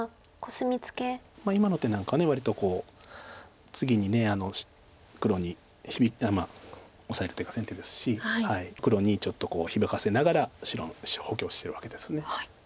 今の手なんか割と次に黒にオサえる手が先手ですし黒にちょっと響かせながら白の石を補強してるわけです。